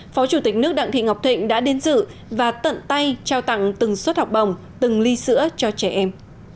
phó chủ tịch nước đặng thị ngọc thịnh đã đến dự và tận tay trao tặng từng suất học bồng từng ly sữa cho trẻ em